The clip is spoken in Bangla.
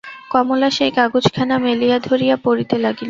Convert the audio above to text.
কমলা সেই কাগজখানা মেলিয়া ধরিয়া পড়িতে লাগিল।